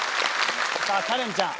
さぁカレンちゃん。